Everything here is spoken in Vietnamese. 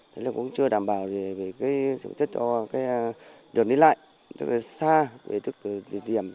đấy là cũng chưa đảm bảo về sử dụng chất cho đường đi lại rất là xa về địa điểm